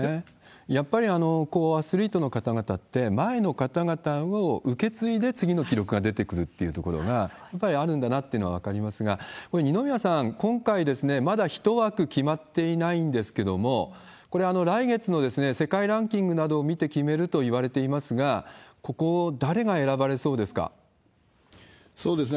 やっぱりアスリートの方々って、前の方々を受け継いで次の記録が出てくるっていうところが、やっぱりあるんだなっていうのが分かりますが、これ、二宮さん、今回、まだ１枠決まっていないんですけども、これ、来月の世界ランキングなどを見て決めるといわれていますが、ここ、誰が選ばれそうですか？